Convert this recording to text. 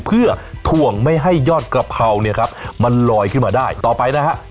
เพื่อถ่วงไม่ให้ยอดกระเพราเนี่ยครับมันลอยขึ้นมาได้ต่อไปนะฮะ